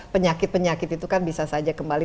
penyakit penyakit itu kan bisa saja kembali